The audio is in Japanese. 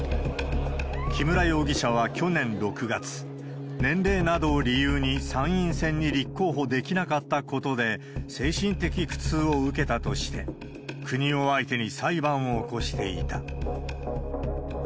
木村容疑者は去年６月、年齢などを理由に参院選に立候補できなかったことで、精神的苦痛を受けたとして、国を相手に裁判を起こしていた。